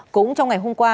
cũng trong ngày hôm qua